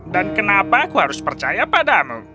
dan kenapa aku harus percaya padamu